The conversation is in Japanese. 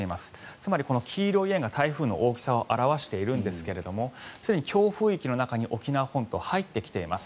つまり、この黄色い円が台風の大きさを表しているんですがすでに強風域の中に沖縄本島が入ってきています。